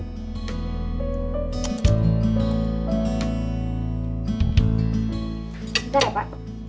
ntar ya pak